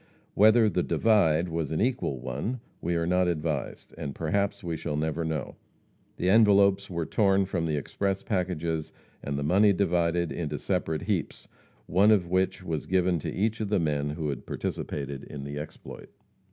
Whether "the divide" was an equal one we are not advised, and perhaps we shall never know. The envelopes were torn from the express packages and the money divided into separate heaps, one of which was given to each of the men who had participated in the exploit.